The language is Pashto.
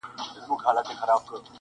چي پرې ایښي چا و شاته هنري علمي آثار دي,